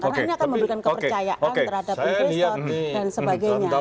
karena ini akan memberikan kepercayaan terhadap investor dan sebagainya